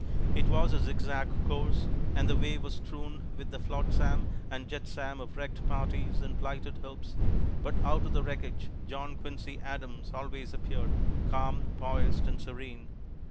It was a zigzag course, and the way was strewn with the flotsam and jetsam of wrecked parties and blighted hopes, but out of the wreckage John Quincy Adams always appeared, calm, poised and serene.